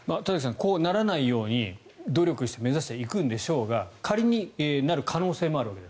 こうならないように努力して目指していくんでしょうが仮になる可能性もあるわけです。